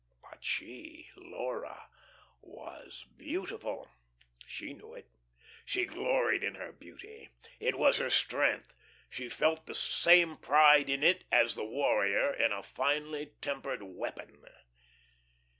But she, Laura, was beautiful; she knew it; she gloried in her beauty. It was her strength. She felt the same pride in it as the warrior in a finely tempered weapon.